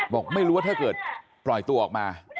บอกไม่รู้ว่าถ้าเกิดปล่อยตัวออกมา